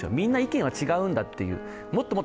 みんな意見は違うんだと。